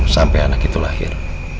sampai anak itu lahir